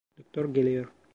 Doktor geliyor.